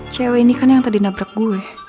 cewek ini kan yang tadi nabrak gue